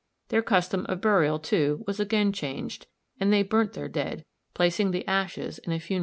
Their custom of burial, too, was again changed, and they burnt their dead, placing the ashes in a funeral urn.